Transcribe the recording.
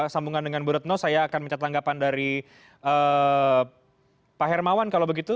sambungan dengan bu retno saya akan mencatat tanggapan dari pak hermawan kalau begitu